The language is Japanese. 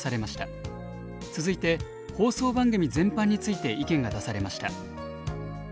続いて放送番組全般について意見が出されました。